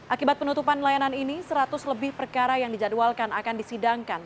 akibat penutupan layanan ini seratus lebih perkara yang dijadwalkan akan disidangkan